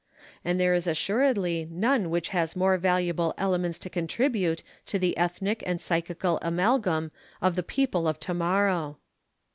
And there is assuredly none which has more valuable elements to contribute to the ethnic and psychical amalgam of the people of to morrow.